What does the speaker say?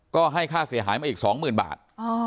ก็ให้ค่าเสียหายมาอีกสองหมื่นบาทอ๋อ